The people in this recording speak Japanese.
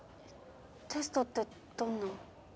テストってどんな？